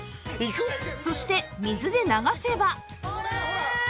そして水で流せば